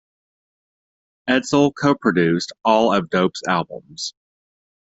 Edsel co-produced all of Dope's albums.